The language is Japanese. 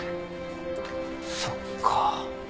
そっか。